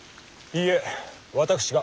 いいえ私が。